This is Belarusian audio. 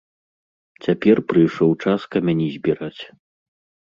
Цяпер прыйшоў час камяні збіраць.